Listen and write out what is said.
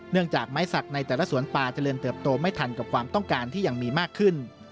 จากไม้สักในแต่ละสวนปลาเจริญเติบโตไม่ทันกับความต้องการที่ยังมีมากขึ้น